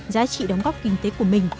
giá trị đóng góp kinh tế của mình